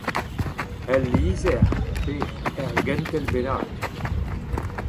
Ul lizher, pe ur gentel bennak ?